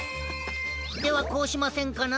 ではこうしませんかな？